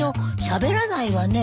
しゃべらないわね。